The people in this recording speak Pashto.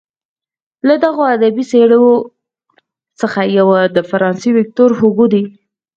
له دغو ادبي څیرو څخه یو د فرانسې ویکتور هوګو دی.